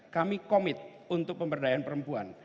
kami komit untuk pemberdayaan perempuan